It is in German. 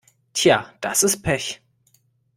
Tja, das ist Pech.